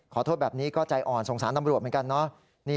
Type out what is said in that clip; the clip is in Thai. ขอโทษแบบนี้ก็ใจอ่อนสงสารตำรวจเหมือนกันเนาะ